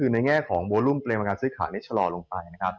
๑ในแง่ของโวลุมเปรียบรรคาซื้อขาดนิชชาลอลงไป